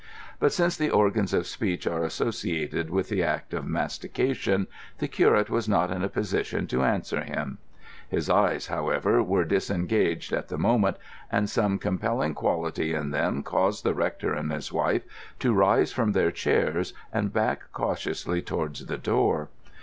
But since the organs of speech are associated with the act of mastication, the curate was not in a position to answer him. His eyes, however, were disengaged at the moment, and some compelling quality in them caused the rector and his wife to rise from their chairs and back cautiously towards the door.